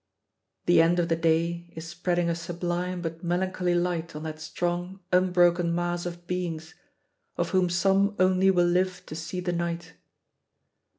The end of the day is spreading a sublime but melancholy light on that strong unbroken mass of beings of whom some only will live to see the night.